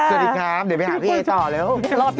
สวัสดีครับเดี๋ยวไปหาพี่เอต่อเร็ว